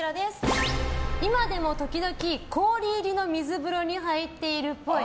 今でも時々氷入りの水風呂に入ってるっぽい。